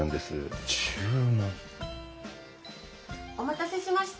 ・お待たせしました。